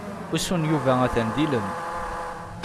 Usu n Yuba atan d ilem.